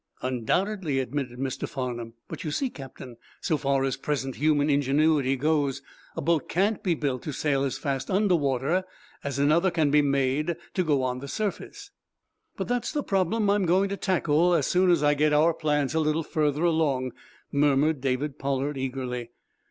"Undoubtedly," admitted Mr. Farnum. "But you see, captain, so far as present human ingenuity goes, a boat can't be built to sail as fast under water as another can be made to go on the surface." "But that's the problem I'm going to tackle, as soon as I get our plans a little further along," murmured David Pollard, eagerly.